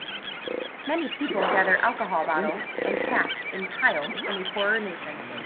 Many people gather alcohol bottles and caps in piles in a poorer nation.